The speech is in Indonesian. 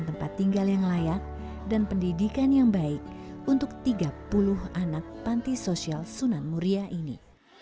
tempat tinggal yang layak dan pendidikan yang baik untuk tiga puluh anak panti sosial sunan muria ini